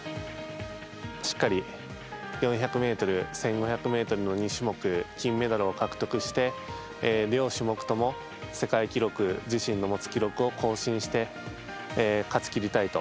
しっかり４００ｍ、１５００ｍの２種目で金メダルを獲得して、両種目とも世界記録、自身の持つ記録を更新して勝ちきりたいと。